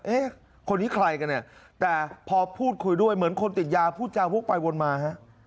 เอ๊ะคนนี้ใครกันเนี่ยแต่พอพูดคุยด้วยเหมือนคนติดยาพูดจาวกไปวนมาฮะ